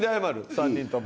３人とも。